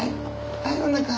はいおなか。